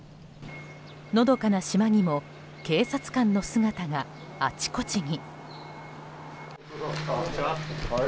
のどかな島にも警察官の姿が、あちこちに。